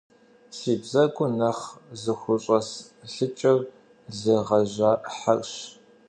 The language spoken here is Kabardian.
Си бзэгур нэхъ зыхущӀэслъыкӀыр лы гъэжьа Ӏыхьэрщ.